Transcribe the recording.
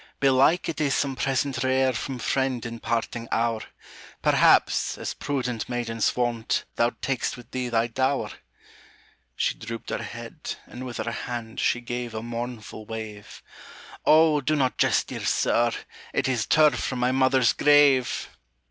"Belike it is some present rare From friend in parting hour; Perhaps, as prudent maidens wont, Thou tak'st with thee thy dower" She drooped her head, and with her hand She gave a mournful wave: "Oh, do not jest, dear sir! it is Turf from my mother's grave!"